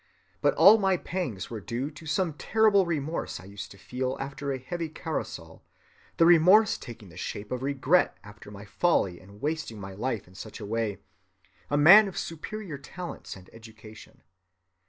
But all my pangs were due to some terrible remorse I used to feel after a heavy carousal, the remorse taking the shape of regret after my folly in wasting my life in such a way—a man of superior talents and education.